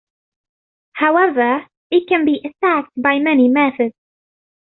However, it can be attacked by many methods.